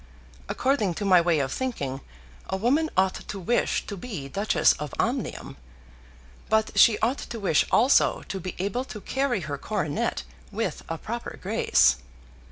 According to my way of thinking a woman ought to wish to be Duchess of Omnium; but she ought to wish also to be able to carry her coronet with a proper grace.